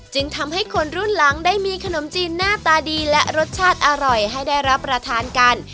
จึงทำให้คนรุ่นหลังได้มีขนมจีนหน้าตาดีและรสชาติอร่อยให้ได้รับประทานกัน